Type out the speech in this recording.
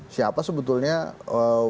siapa sebetulnya wakil presidennya pak prokofi